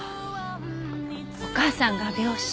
お母さんが病死。